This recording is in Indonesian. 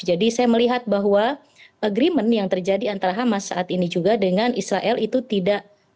jadi saya melihat bahwa agreement yang terjadi antara hamas saat ini juga dengan israel itu tidak